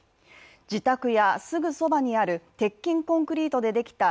自宅やすぐそばにある鉄筋コンクリートでできた